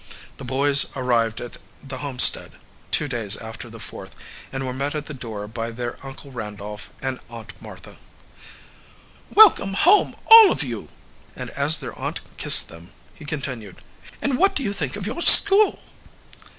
The boys arrived at the homestead two days after the Fourth and were met at the door by their Uncle Randolph and Aunt Martha. "Welcome home, all of you!" cried Randolph Rover. And as their aunt kissed them, he continued, "And what do you think of your school?"